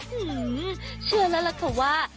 หือเชื่อแล้วล่ะค่ะว่า